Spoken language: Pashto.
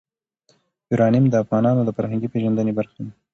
یورانیم د افغانانو د فرهنګي پیژندنې برخه ده.